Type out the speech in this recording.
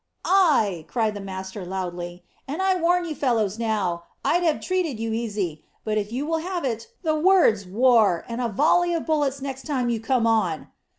"Ay," cried the master loudly; "and I warn you fellows now, I'd have treated you easy; but if you will have it, the word's war, and a volley of bullets next time you come on."